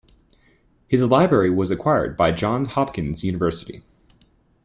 His library was acquired by Johns Hopkins University.